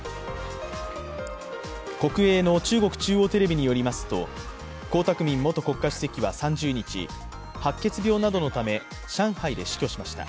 国営の中国中央テレビによりますと、江沢民元国家主席は３０日白血病などのため上海で死去しました。